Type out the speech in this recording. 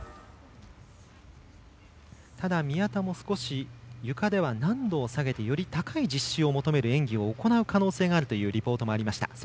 ただ、宮田も少しゆかでは難度を下げてより高い実施を求める演技を行う可能性があるというリポートもありました。